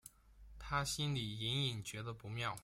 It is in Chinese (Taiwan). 她心裡隱隱覺得不妙